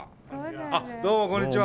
あっどうもこんにちは。